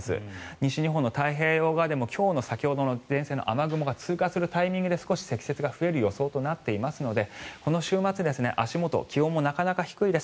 西日本の太平洋側でも今日の先ほどの前線の雨雲が通過するタイミングで少し積雪が増える予想となっていますのでこの週末、足元気温もなかなか低いです。